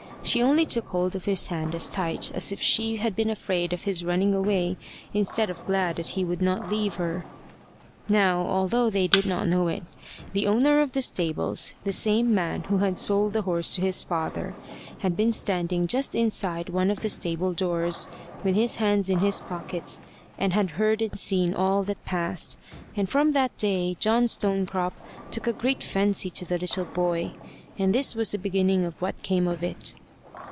She only took hold of his hand as tight as if she had been afraid of his running away instead of glad that he would not leave her. Now, although they did not know it, the owner of the stables, the same man who had sold the horse to his father, had been standing just inside one of the stable doors, with his hands in his pockets, and had heard and seen all that passed; and from that day John Stonecrop took a great fancy to the little boy. And this was the beginning of what came of it.